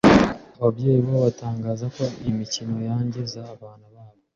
ababyeyi bo batangazako iyimikino yangiza abana babo